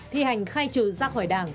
thi hành khai trừ ra khỏi đảng